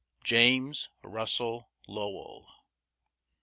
JAMES RUSSELL LOWELL.